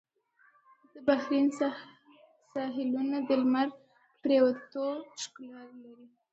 د بحرین ساحلونه د لمر پرېوتو ښکلا لري.